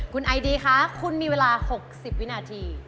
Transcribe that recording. คุณไอดีคะคุณมีเวลา๖๐วินาที